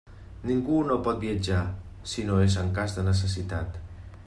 Ningú no pot viatjar, si no és en cas de necessitat.